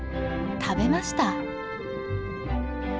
食べました。